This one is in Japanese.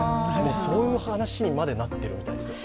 そういう話にまでなっているみたいですよ。